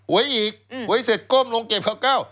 ไว้อีกไว้เสร็จก้มลงเก็บข้าวเก้า